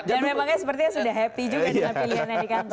dan memangnya sepertinya sudah happy juga dengan pilihannya di kantong